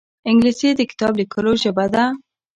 انګلیسي د کتاب لیکلو ژبه ده